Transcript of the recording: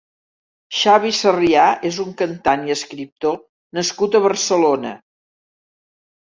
Xavi Sarrià és un cantant i escriptor nascut a Barcelona.